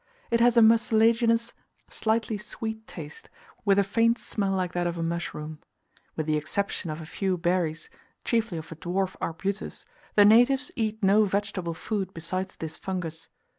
It has a mucilaginous, slightly sweet taste, with a faint smell like that of a mushroom. With the exception of a few berries, chiefly of a dwarf arbutus, the natives eat no vegetable food besides this fungus.